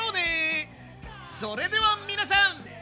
それでは皆さん。